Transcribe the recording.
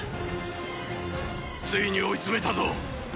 ついに追い詰めたぞ。